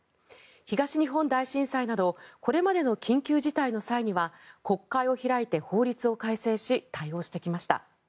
東日本大震災などこれまでの緊急事態の際には国会を開いて法律を改正し対応してきました。